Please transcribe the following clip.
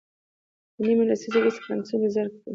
یوه نیمه لسیزه وروسته فرانسیسکو پیزارو د پیرو خاوره لاندې کړه.